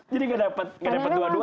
jadi gak dapat dua duanya